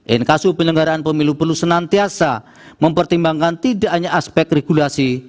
dan kasus penelenggaraan pemilu perlu senantiasa mempertimbangkan tidak hanya aspek regulasi